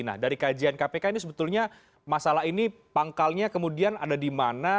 nah dari kajian kpk ini sebetulnya masalah ini pangkalnya kemudian ada di mana